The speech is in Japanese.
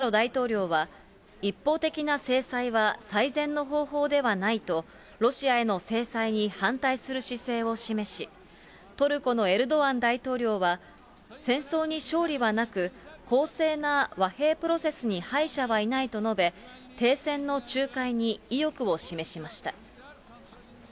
一方で、ブラジルのボルソナロ大統領は、一方的な制裁は最善の方法ではないと、ロシアへの制裁に反対する姿勢を示し、トルコのエルドアン大統領は、戦争に勝利はなく、公正な和平プロセスに敗者はいないと述べ、停戦の仲介に意欲を示しました。